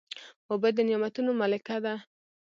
اوبه د نعمتونو ملکه ده.